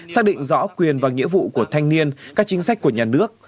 xác định rõ quyền và nghĩa vụ của thanh niên các chính sách của nhà nước